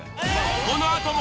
このあとも